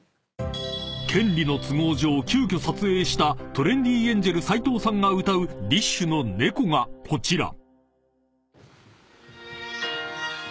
［権利の都合上急きょ撮影したトレンディエンジェル斎藤さんが歌うＤＩＳＨ／／の『猫』がこちら］